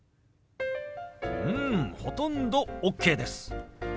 うんほとんどＯＫです。